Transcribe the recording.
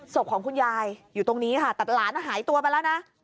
ศพของคุณยายอยู่ตรงนี้ค่ะแต่หลานหายตัวไปแล้วนะ